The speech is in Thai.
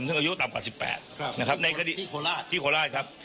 ซึ่งอายุต่ำกว่า๑๘นะครับในคดีที่โคราชที่โคราชครับ